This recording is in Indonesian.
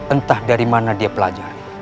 entah dari mana dia pelajari